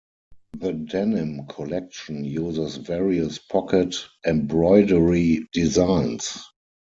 The denim collection uses various pocket embroidery designs.